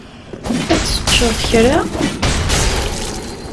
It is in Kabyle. Ad teččeḍ kra?